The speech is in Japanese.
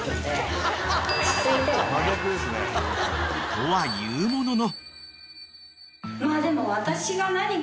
［とはいうものの］